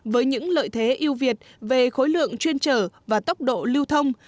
với những lợi thế yêu việt về khối lượng chuyên trở và tốc độ lưu thông